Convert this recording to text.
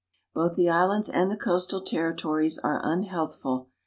Both the islands and the coastal terri tories are unhealthful.